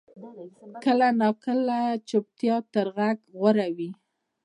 کله ناکله چپتیا تر غږ غوره وي.